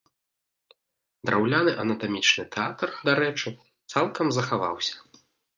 Драўляны анатамічны тэатр, дарэчы, цалкам захаваўся.